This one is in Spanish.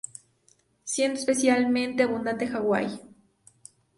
Siendo especialmente abundante en Hawái.